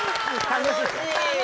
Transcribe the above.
楽しい。